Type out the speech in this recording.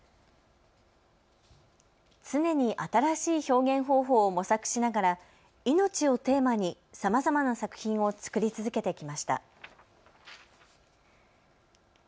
常に新しい表現方法を模索しながら命をテーマにさまざまな作品を作り続けてきました。